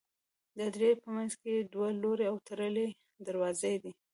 د هدیرې په منځ کې دوه لوړې او تړلې دروازې دي.